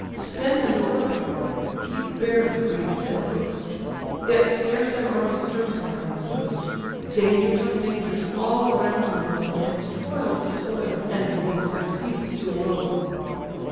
Spent and o'erpower'd, he barely breathes at most; Yet scarce an army stirs him from his post; Dangers on dangers all around him glow, And toil to toil, and woe succeeds to woe.